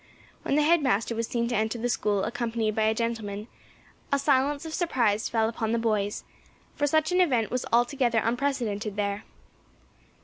When the head master was seen to enter the School accompanied by a gentleman, a silence of surprise fell upon the boys, for such an event was altogether unprecedented there.